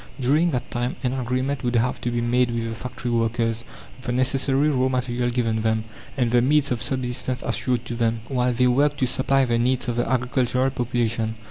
During that time an agreement would have to be made with the factory workers, the necessary raw material given them, and the means of subsistence assured to them, while they worked to supply the needs of the agricultural population.